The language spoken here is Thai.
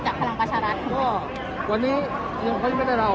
จากพลังปัชรัฐวันนี้ยังค่อยไม่ได้เล่า